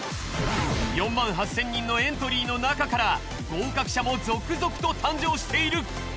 ４８０００人のエントリーの中から合格者も続々と誕生している。